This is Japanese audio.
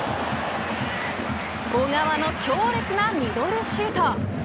小川の強烈なミドルシュート。